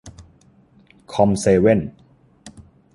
คอมเซเว่น